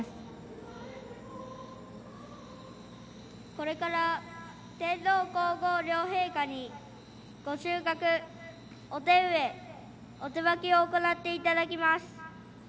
これから、天皇皇后両陛下に御収穫、お手植えお手播きを行っていただきます。